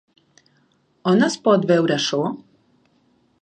On es pot veure això?